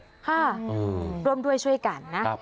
ค่ะร่วมด้วยช่วยกันนะ